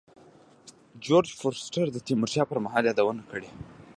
جورج فورستر د تیمور شاه پر مهال یادونه کړې.